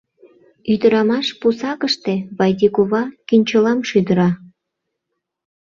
Ӱдырамаш пусакыште Вайди кува кӱнчылам шӱдыра.